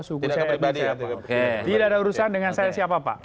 suku saya apa tidak ada urusan dengan saya siapa apa